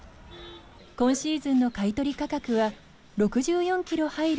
今シーズンの買い取り価格は６４キロ入る